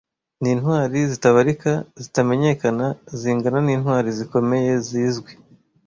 Nintwari zitabarika zitamenyekana zingana nintwari zikomeye zizwi!